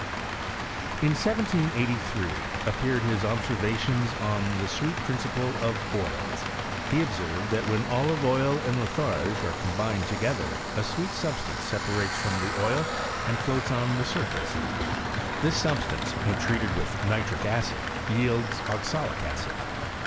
15. In 1783 appeared his observations on the sweet principle of oils. He observed, that when olive oil and litharge are combined together, a sweet substance separates from the oil and fioats on the surface. This substance, when treated with nitric acid, yields oxalic acid.